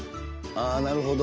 なるほど。